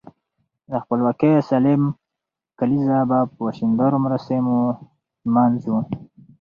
د خپلواکۍ سلم کاليزه به په شاندارو مراسمو نمانځو.